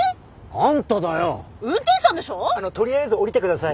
あのとりあえず降りて下さい。